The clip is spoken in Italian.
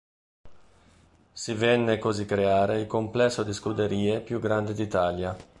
Si venne così creare il complesso di scuderie più grande d'Italia.